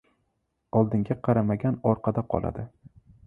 • Oldinga qaramagan orqada qoladi.